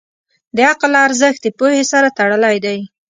د عقل ارزښت د پوهې سره تړلی دی.